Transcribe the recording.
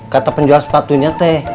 kata penjual sepatunya teh